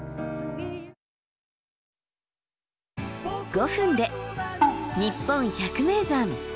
５分で「にっぽん百名山」。